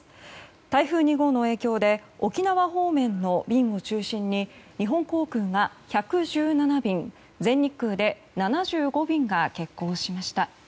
台風２号の影響で沖縄方面の便を中心に日本航空が１１７便全日空で７５便が欠航しました。